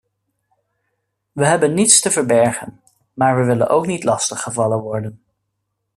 We hebben niets te verbergen, maar we willen ook niet lastig gevallen worden.